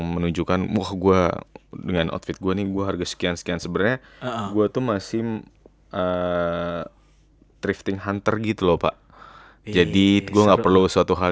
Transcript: boirong fashionnya dari bawah